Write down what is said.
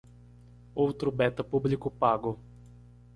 Outro beta público pago